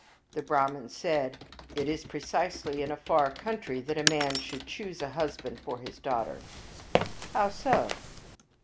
The Brahman said, " It is precisely in a far away country that a man should choose a husband for his daughter." "How so?"